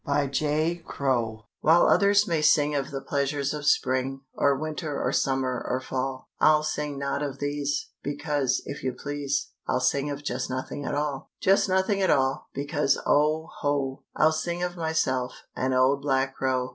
BY J. CROW. While others may sing of the pleasures of spring, Or winter or summer or fall, I'll sing not of these, because, if you please, I'll sing of just nothing at all. Just nothing at all, because, oh, ho! I'll sing of myself, an old black crow.